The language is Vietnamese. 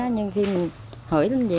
nhưng khi mình thử lên gì